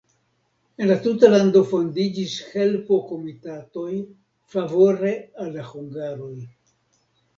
En la tuta lando fondiĝis helpo-komitatoj favore al la hungaroj.